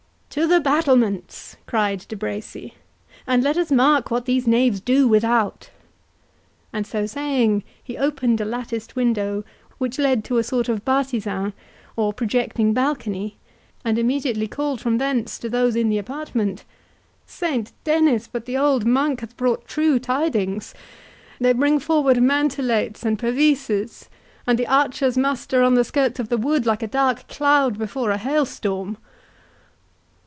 "To the battlements!" cried De Bracy, "and let us mark what these knaves do without;" and so saying, he opened a latticed window which led to a sort of bartisan or projecting balcony, and immediately called from thence to those in the apartment—"Saint Dennis, but the old monk hath brought true tidings!—They bring forward mantelets and pavisses, 32 and the archers muster on the skirts of the wood like a dark cloud before a hailstorm."